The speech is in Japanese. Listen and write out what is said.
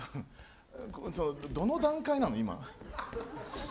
どの段階なの？